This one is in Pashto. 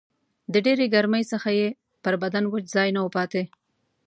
د ډېرې ګرمۍ څخه یې پر بدن وچ ځای نه و پاته